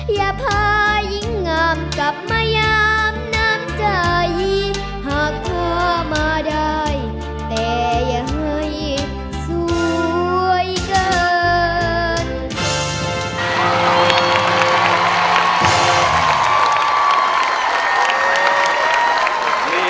อย่าพายิงงามกลับมาย้ำน้ำใจ